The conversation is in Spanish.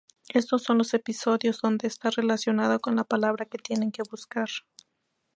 Estos son los episodios donde está relacionado con la palabra que tienen que buscar